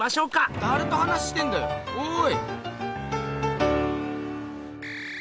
だれと話してんだよおい！